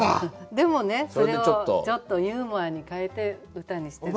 でもねそれをちょっとユーモアに変えて歌にしてると。